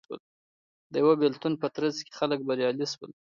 د یوه بېلتون په ترڅ کې خلک بریالي شول